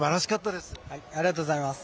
ありがとうございます。